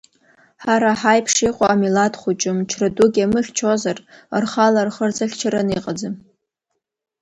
Ҳара ҳаиԥш иҟоу амилаҭ хәҷы мчра дук иамыхьчозар, рхала рхы рзыхьчараны иҟаӡам.